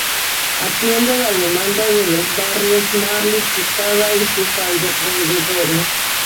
Atiende la demanda de los barrios Marly, Quesada y sus alrededores.